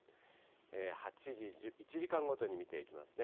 ８時、１時間ごとに見ていきますね。